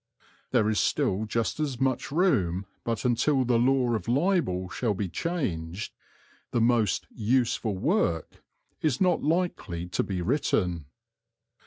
There is still just as much room, but until the law of libel shall be changed the "most useful work" is not likely to be written.